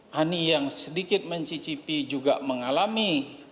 honey yang sedikit mencicipi juga mengalami